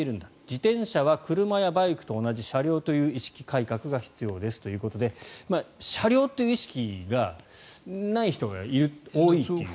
自転車は車やバイクと同じ車両という意識改革が必要ですということで車両という意識がない人が多いということですね。